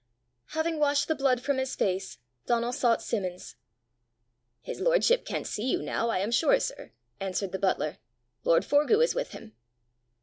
Having washed the blood from his face, Donal sought Simmons. "His lordship can't see you now, I am sure, sir," answered the butler; "lord Forgue is with him."